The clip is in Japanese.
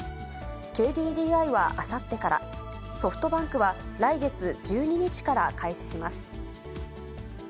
ＫＤＤＩはあさってから、ソフトバンクは来月１２日から開始します。